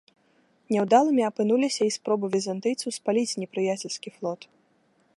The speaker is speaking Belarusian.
Няўдалымі апынуліся і спробы візантыйцаў спаліць непрыяцельскі флот.